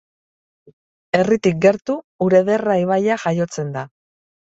Herritik gertu, Urederra ibaia jaiotzen da.